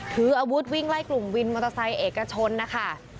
ถืออาวุธวิ่งไล่กลุ่มวินมอเตอร์ไซค์เอกชนนะคะ